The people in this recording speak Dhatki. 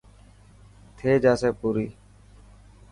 ٿي جاسي پوري.